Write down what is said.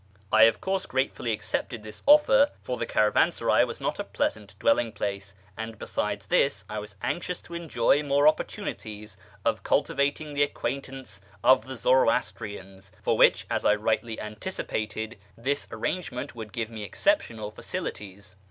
I of course gratefully accepted this offer, for the caravansaray was not a pleasant dwelling place, and besides this, I was anxious to enjoy more opportunities of cultivating the acquaintance of the Zoroastrians, for which, as I rightly anticipated, this arrangement would give me exceptional facilities.